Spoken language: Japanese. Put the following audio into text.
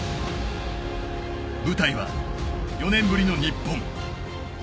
舞台は４年ぶりの日本。